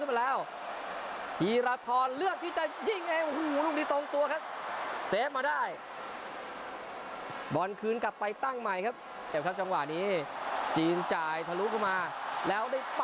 จางซื้อเจอเปิดเข้าไปปงสกัดได้ครับ